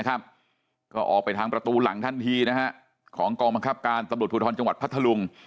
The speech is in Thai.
ก็ออกไปทางประตูหลังทันทีของกองบังคับการตำรวจภูทรจังหวัดพัทธลุง